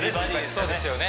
そうですよね